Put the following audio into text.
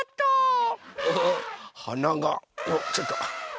はながあちょっと。